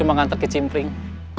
cuma nganter ke cimpring